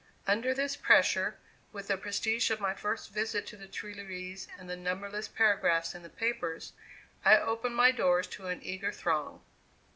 Under this pressure, with the prestige of my first visit to the Tuileries and the numberless paragraphs in the papers, I opened my doors to an eager throng.